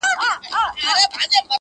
د خوشحال خان د مرغلرو قدر څه پیژني،